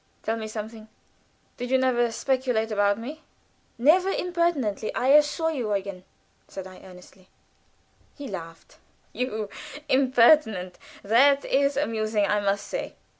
Tell me something did you never speculate about me?" "Never impertinently, I assure you, Eugen," said I, earnestly. He laughed. "You impertinent! That is amusing, I must say.